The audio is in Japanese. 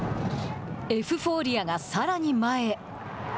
エフフォーリアがさらに前へ。